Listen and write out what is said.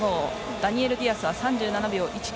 ダニエル・ディアスは３７秒１９。